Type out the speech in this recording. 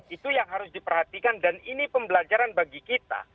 itu yang harus diperhatikan dan ini pembelajaran bagi kita